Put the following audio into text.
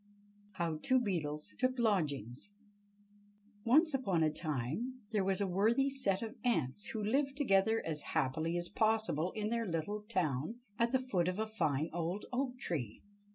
How Two Beetles Took Lodgings Once upon a time there was a worthy set of ants, who lived together as happily as possible in their little town at the foot of a fine old oak tree.